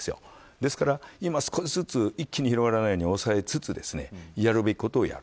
ですから少しずつ一気に広がらないように抑えつつやるべきことをやる。